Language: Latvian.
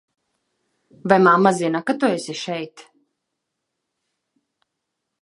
Vai mamma zina, ka tu esi šeit?